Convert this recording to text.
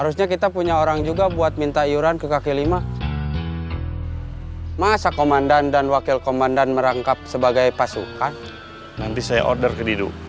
sampai jumpa di video selanjutnya